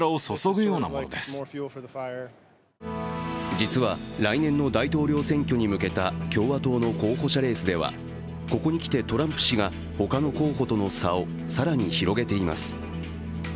実は来年の大統領選挙に向けた共和党の候補者レースではここに来てトランプ氏がほかの候補との差を更に広げています。